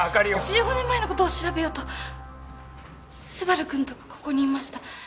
１５年前の事を調べようと昴くんとここにいました。